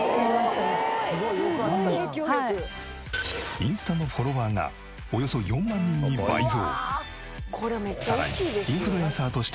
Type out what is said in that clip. インスタのフォロワーがおよそ４万人に倍増。